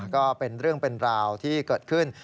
ก็เป็นเรื่องเป็นราวที่เกิดขึ้น